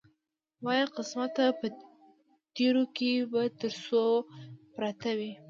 وایه قسمته په تېرو کې به تر څو پراته وي.